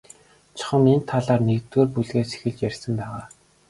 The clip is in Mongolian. Чухам энэ талаар л нэгдүгээр бүлгээс эхэлж ярьсан байгаа.